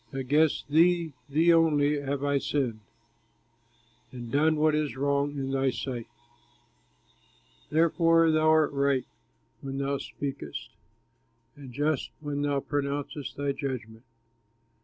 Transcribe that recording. Against thee, thee only have I sinned, And done what is wrong in thy sight; Therefore thou art right when thou speakest, And just when thou pronouncest thy judgment.